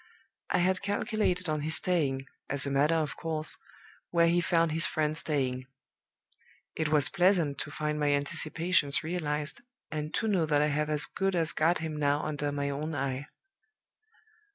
I had calculated on his staying, as a matter of course, where he found his friend staying. It was pleasant to find my anticipations realized, and to know that I have as good as got him now under my own eye.